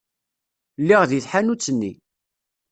Lliɣ deg tḥanut-nni.